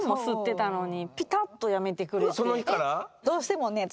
その日から？